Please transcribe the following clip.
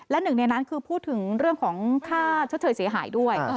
และหนึ่งในนั้นคือพูดถึงเรื่องของค่าชดเชยเสียหายด้วย